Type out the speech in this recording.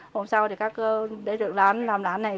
hôm sau thì các đại dự làm đán này